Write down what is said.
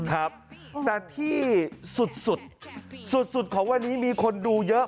แต่ที่สุดของวันนี้มีคนดูเยอะ